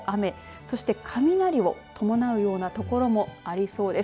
そして雷を伴うような所もありそうです。